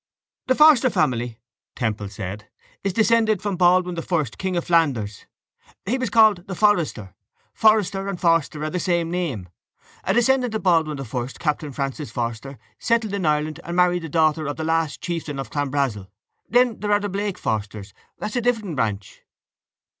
—The Forster family, Temple said, is descended from Baldwin the First, king of Flanders. He was called the Forester. Forester and Forster are the same name. A descendant of Baldwin the First, captain Francis Forster, settled in Ireland and married the daughter of the last chieftain of Clanbrassil. Then there are the Blake Forsters. That's a different branch.